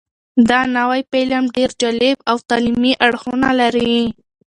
دا نوی فلم ډېر جالب او تعلیمي اړخونه لري.